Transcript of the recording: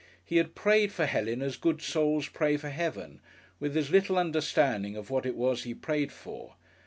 He had prayed for Helen as good souls pray for Heaven, with as little understanding of what it was he prayed for.